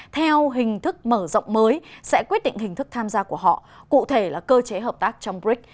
theo hình thức mở rộng mới sẽ quyết định hình thức tham gia của họ cụ thể là cơ chế hợp tác trong brics